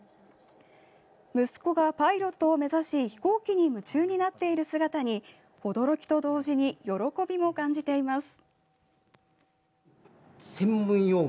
息子がパイロットを目指し飛行機に夢中になっている姿に驚きと同時に喜びも感じています。